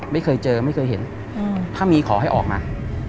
ไม่เคยเจอไม่เคยเห็นถ้ามีขอให้ออกมา